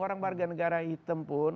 orang warga negara hitam pun